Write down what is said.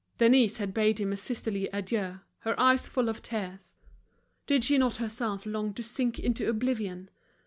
Denise had bade him a sisterly adieu, her eyes full of tears. Did she not herself long to sink into oblivion?